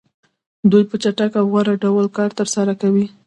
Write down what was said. دوی په چټک او غوره ډول کار ترسره کوي